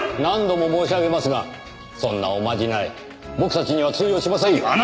何度も申し上げますがそんなおまじない僕たちには通用しませんよ！